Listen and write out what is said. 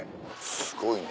すごいね。